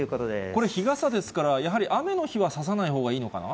これ、日傘ですから、やはり雨の日は差さないほうがいいのかな？